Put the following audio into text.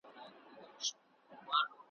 واورۍ له ارغند تر اباسین پوري پرتو خلکو `